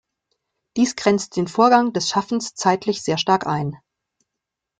Dies grenzt den Vorgang des Schaffens zeitlich sehr stark ein.